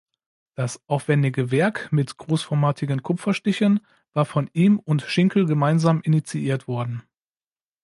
Das aufwändige Werk mit großformatigen Kupferstichen war von ihm und Schinkel gemeinsam initiiert worden.